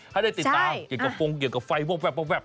ให้ได้ติดตามเกี่ยวกับฟงเกี่ยวกับไฟแว๊บ